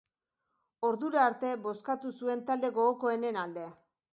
Ordura arte, bozkatu zuen talde gogokoenen alde.